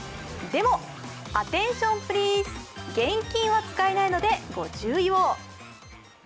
でも、アテンションプリーズ現金は使えないのでご注意を。